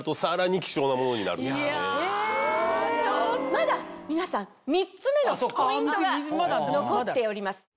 まだ皆さん３つ目のポイントが残っております。